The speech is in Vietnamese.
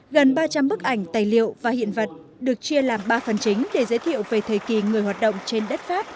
gần ba trăm linh bức ảnh tài liệu và hiện vật được chia làm ba phần chính để giới thiệu về thời kỳ người hoạt động trên đất pháp